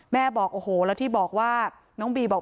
บอกโอ้โหแล้วที่บอกว่าน้องบีบอก